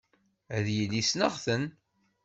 Ad yili ssneɣ-ten.